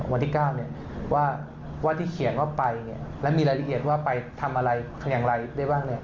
วันที่๙ว่าที่เขียนว่าไปแล้วมีรายละเอียดว่าไปทำอะไรอย่างไรได้บ้าง